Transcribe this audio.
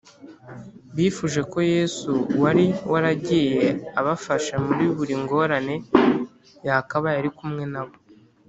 bifuje ko yesu wari waragiye abafasha muri buri ngorane yakabaye ari kumwe na bo